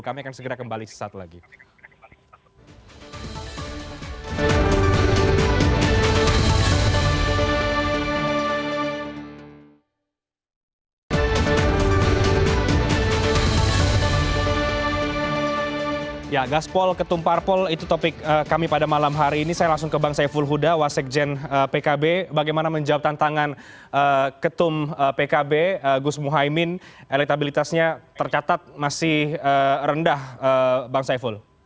kami akan segera kembali sesaat lagi